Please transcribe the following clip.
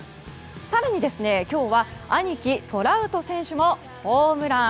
更に、今日は兄貴、トラウト選手もホームラン。